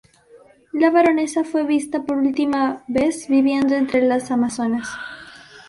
La baronesa fue vista por última vez viviendo entre las amazonas.